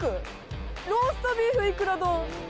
ローストビーフいくら丼。